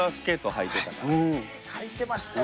履いてましたよ。